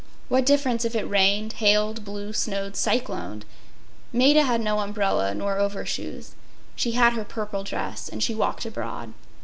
What difference if it rained, hailed, blew, snowed, cycloned? Maida had no umbrella nor overshoes. She had her purple dress and she walked abroad.